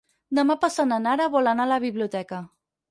Demà passat na Nara vol anar a la biblioteca.